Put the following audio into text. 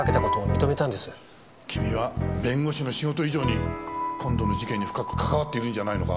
君は弁護士の仕事以上に今度の事件に深く関わっているんじゃないのか？